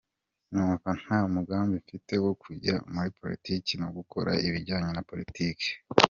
Numva nta mugambi mfite wo kujya muri politiki no gukora ibijyanye na politike…”